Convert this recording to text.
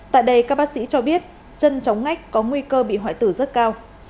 tại đây các bác sĩ cho biết chân trống ngách có nguy cơ bị hoại tử rất cao